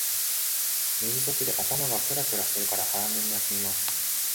寝不足で頭がクラクラするから早めに休みます